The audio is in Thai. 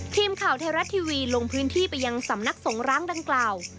ทีมข่าวไทยรัฐทีวีลงพื้นที่ไปยังสำนักสงร้างดังกล่าว